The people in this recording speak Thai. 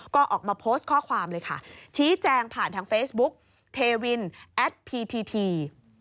ก็ออกมาโพสต์ข้อความเลยค่ะชี้แจงผ่านทางเฟซบุ๊กเทวินแอดพีทีที